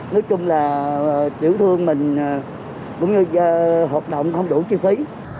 nói chung là tiểu thương mình cũng như hoạt động không đủ chi phí